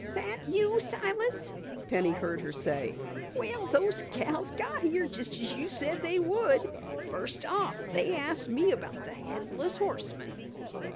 "That you, Silas?" Penny heard her say. "Well, those gals got here, just as you said they would! First off they asked me about the Headless Horseman."